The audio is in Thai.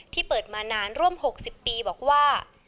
เปิดมานานร่วม๖๐ปีบอกว่า